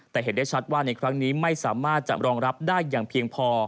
แต่เห็นได้ชัดว่าในครั้งนี้ไม่สามารถจะรองรับได้อย่างเพียงพอ